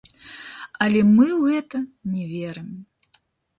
Але мы ў гэта не верым.